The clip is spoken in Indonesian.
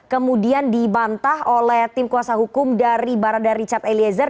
kemudian dibantah oleh tim kuasa hukum dari barada richard eliezer